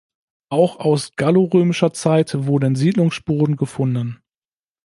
Auch aus gallo-römischer Zeit wurden Siedlungsspuren gefunden.